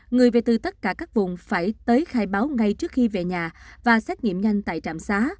người về từ tất cả các vùng phải tới khai báo ngay trước khi về nhà và xét nghiệm nhanh tại trạm xá